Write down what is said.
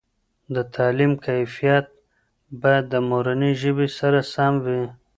دتعلیم کیفیت باید د مورنۍ ژبې سره سم وي.